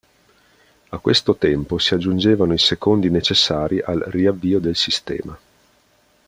A questo tempo si aggiungevano i secondi necessari al riavvio del sistema.